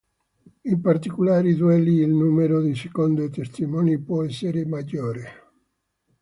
In particolari duelli il numero di secondi e testimoni può essere maggiore.